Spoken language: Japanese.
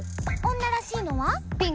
女らしいのは？